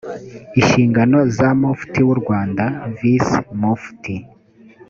inshingano za mufti w u rwanda visi mufti